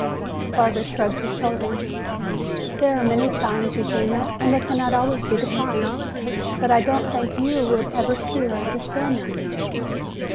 Barbara shrugged her shoulders. "There are many signs, Eugenia, and they cannot always be defined. But I don't think you would ever see or understand them."